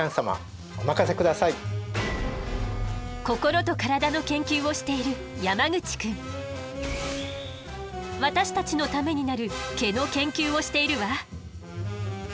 心と体の研究をしている私たちのためになる毛の研究をしているわ。